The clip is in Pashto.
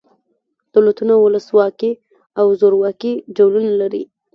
دولتونه ولس واکي او زورواکي ډولونه لري.